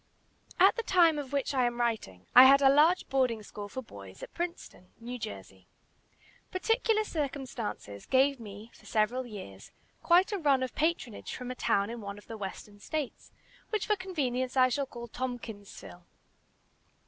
At the time of which I am writing, I had a large boarding school for boys, at Princeton, New Jersey. Particular circumstances gave me, for several years, quite a run of patronage from a town in one of the Western States, which for convenience I shall call Tompkinsville.